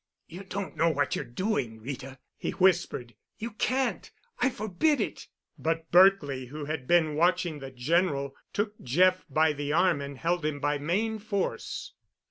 "You don't know what you're doing, Rita," he whispered. "You can't. I forbid it." But Berkely, who had been watching the General, took Jeff by the arm and held him by main force.